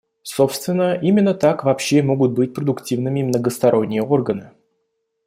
Собственно, именно так вообще могут быть продуктивными многосторонние органы.